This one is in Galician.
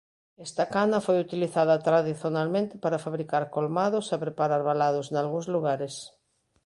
Esta cana foi utilizada tradicionalmente para fabricar colmados e preparar valados nalgúns lugares.